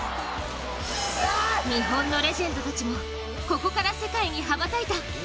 日本のレジェンドたちもここから世界に羽ばたいた！